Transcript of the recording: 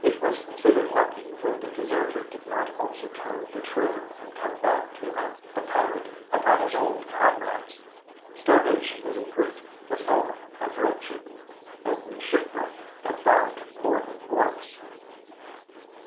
It was considered lucky when the deserter did not also turn betrayer and come back to INTRODUCTION 7 act the pirate upon his old comrades. Starvation is a great dissolvent of friendship, as the shipwrecked have found more than once.